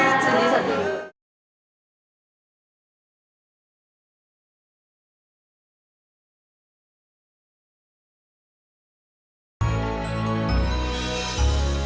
banyak banyak yang mansung